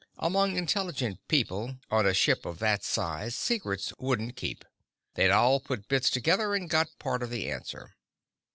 Among intelligent people on a ship of that size, secrets wouldn't keep. They'd all put bits together and got part of the answer.